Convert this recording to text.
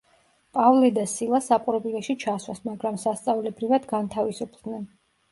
პავლე და სილა საპყრობილეში ჩასვეს, მაგრამ სასწაულებრივად განთავისუფლდნენ.